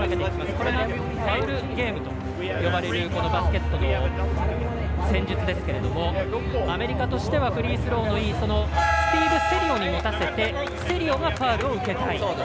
これがファウルゲームと呼ばれるバスケットの戦術ですがアメリカとしてはフリースローのいいスティーブ・セリオに持たせてセリオがファウルを受けたい。